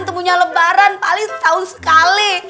temunya lebaran paling setahun sekali